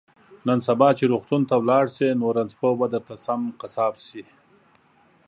نن سبا چې روغتون ته لاړ شي نو رنځپوه به درته سم قصاب شي